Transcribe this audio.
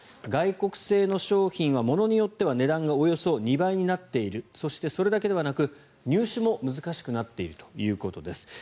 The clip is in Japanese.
外国製の商品は、ものによっては値段がおよそ２倍になっているそして、それだけではなく入手も難しくなっているということです。